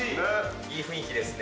いい雰囲気ですね。